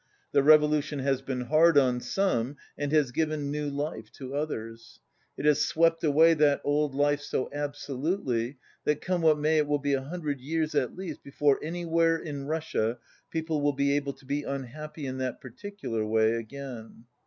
The revolution has been hard on some, and has given new life to others. It has swept away that old life so absolutely that, come what may, it will be a hundred yeiars at least before anywhere in Russia people will be able to be unhappy in that particular way again.